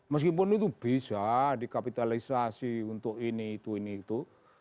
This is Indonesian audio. meskipun itu bisa dikapitalisasi untuk ini itu ini itu